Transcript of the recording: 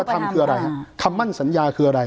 รูปธรรมคืออะไรคำมั่นสัญญาคืออะไร